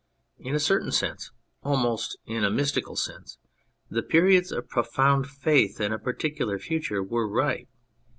In a certain sense, almost in a mystical sense, the periods of profound faith in a particular future were right.